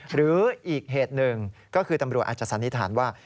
หรืออีกเหตุหนึ่งก็คือตำรวจอาจจะสันนิษฐานว่า